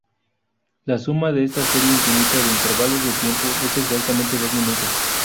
La suma de esta serie infinita de intervalos de tiempo es exactamente dos minutos.